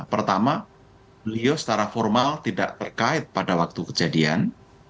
pertama beliau secara formal tidak terkait pada waktu kejadian